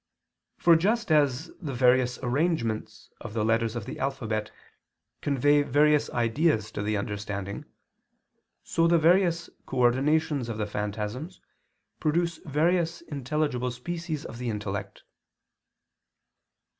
For just as the various arrangements of the letters of the alphabet convey various ideas to the understanding, so the various coordinations of the phantasms produce various intelligible species of the intellect.